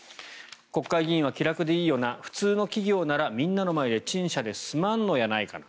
国会議員は気楽でいいよな普通の企業なら、みんなの前で陳謝で済まんのやないかな？